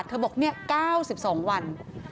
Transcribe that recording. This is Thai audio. เธอบอกเนี่ย๙๒วัน